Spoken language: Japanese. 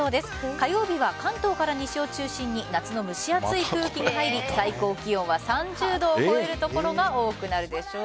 火曜日は関東から西を中心に夏の蒸し暑い空気が入り最高気温は３０度を超える所が多くなるでしょう。